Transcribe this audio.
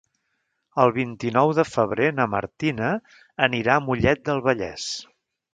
El vint-i-nou de febrer na Martina anirà a Mollet del Vallès.